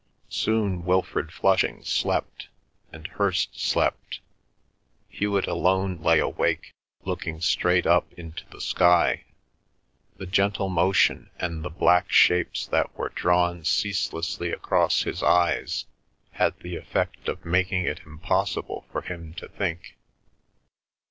Soon Wilfrid Flushing slept, and Hirst slept. Hewet alone lay awake looking straight up into the sky. The gentle motion and the black shapes that were drawn ceaselessly across his eyes had the effect of making it impossible for him to think.